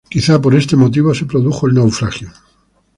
Quizá por este motivo se produjo el naufragio.